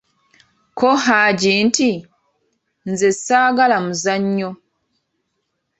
Ko Haji nti:"nze saagala muzanyo"